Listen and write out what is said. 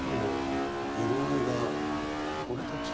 俺たち。